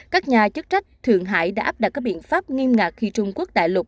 các nhà chức trách thượng hải đã áp đặt các biện pháp nghiêm ngạc khi trung quốc đại lục